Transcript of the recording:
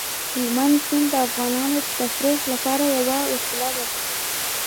هلمند سیند د افغانانو د تفریح لپاره یوه وسیله ده.